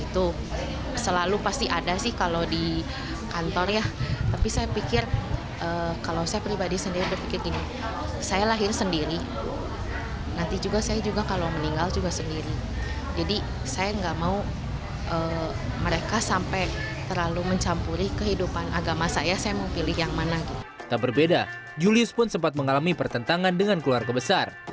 tidak berbeda julius pun sempat mengalami pertentangan dengan keluarga besar